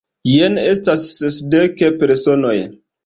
Jen estas sesdek personoj!